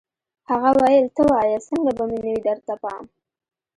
هغه ویل ته وایه څنګه به مې نه وي درته پام